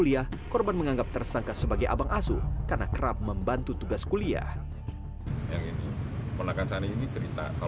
sebenarnya utangmu itu berapa totalnya